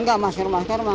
nggak masker masker mah